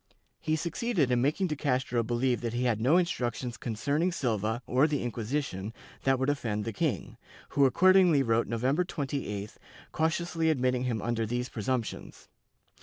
He succeeded in making de Castro believe that he had no instructions concerning Silva or the Inquisition that would offend the king, who accordingly wrote November 28th, cautiously admitting him under these pre sumptions.